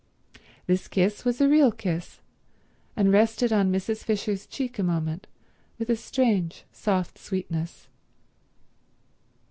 This kiss was a real kiss, and rested on Mrs. Fisher's cheek a moment with a strange, soft sweetness.